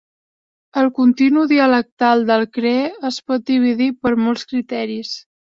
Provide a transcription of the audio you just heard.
El continu dialectal del cree es pot dividir per molts criteris.